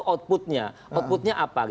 outputnya outputnya apa